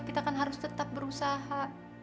kita kan harus tetap berusaha